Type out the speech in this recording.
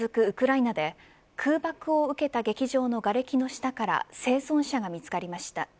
ウクライナで空爆を受けた劇場のがれきの下から生存者が見つかりました。